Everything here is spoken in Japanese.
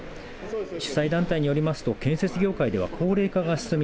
主催団体によりますと建設業界では高齢化が進み